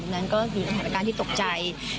ตรงนั้นก็มีปงการที่ตกใจ